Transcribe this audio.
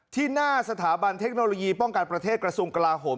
ที่หน้าสถาบันเทคโนโลยีป้องกันประเทศกระทรวงกลาโหม